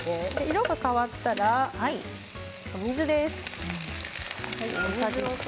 色が変わったらお水です。